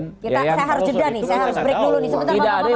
saya harus beritahu dulu